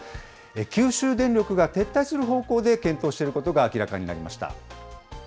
九州電力が撤退する方向で検討していることが明らかになりました。